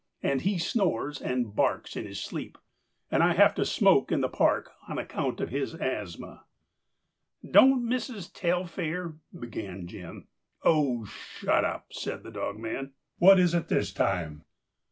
And he snores and barks in his sleep, and I have to smoke in the park on account of his asthma." "Don't Missis Telfair—" began Jim. "Oh, shut up!" said the dogman. "What is it this time?"